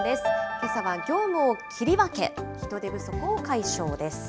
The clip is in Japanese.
けさは業務を切り分け、人手不足を解消です。